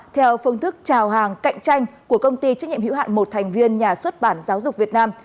theo phương thức trào hàng cạnh tranh của công ty trách nhiệm hữu hạn một thành viên nhà xuất bản giáo dục việt nam